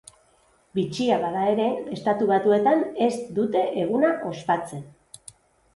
Bitxia bada ere, Estatu Batuetan ez dute eguna ospatzen.